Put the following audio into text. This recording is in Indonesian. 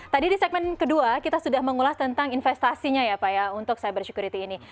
tadi di segmen kedua kita sudah mengulas tentang investasinya ya pak ya untuk cyber security ini